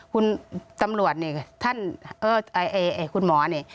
คุณตำรวจนี่ท่านคุณหมอนี่